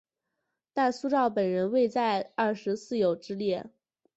但苏绍本人未在二十四友之列。